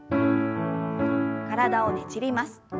体をねじります。